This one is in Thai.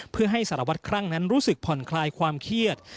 เพื่อให้สารวัตรคลั่งนั้นรู้สึกผ่อนคลายความเครียด